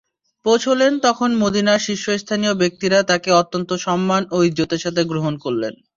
পৌঁছলেন তখন মদীনার শীর্ষস্থানীয় ব্যক্তিরা তাঁকে অত্যন্ত সম্মান ও ইজ্জতের সাথে গ্রহণ করলেন।